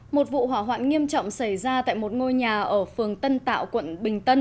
một vụ hỏa hoạn nghiêm trọng xảy ra tại một ngôi nhà ở phường tân tạo quận bình tân